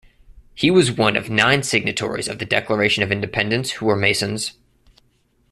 He was one of nine signatories of the Declaration of Independence who were masons.